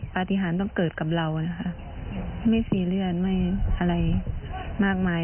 ปฏิหารต้องเกิดกับเรานะคะไม่ซีเลื่อนไม่อะไรมากมาย